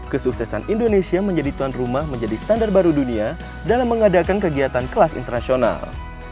kesuksesan indonesia menjadi tuan rumah menjadi standar baru dunia dalam mengadakan kegiatan kelas internasional